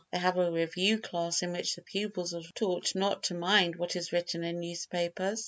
They have a review class in which the pupils are taught not to mind what is written in newspapers.